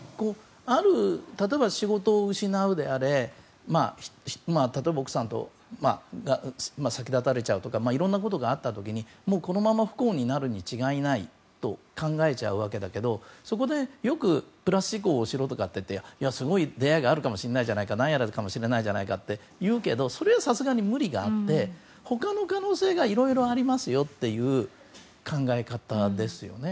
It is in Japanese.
例えば仕事を失うであれ、例えば奥さんに先立たれちゃうとかいろんなことがあった時にこのまま不幸になるに違いないと考えちゃうわけだけどそこでよくプラス思考をしろとか言ってすごい出会いがあるかもしれないじゃないかとかいうけどそれはさすがに無理があって他の可能性がいろいろありますよという考え方ですよね。